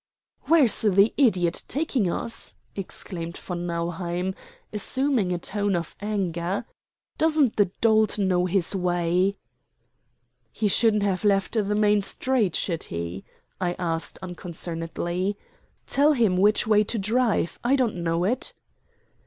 "Where's the idiot taking us?" exclaimed von Nauheim, assuming a tone of anger. "Doesn't the dolt know his way?" "He shouldn't have left the main street, should he?" I asked unconcernedly. "Tell him which way to drive. I don't know it."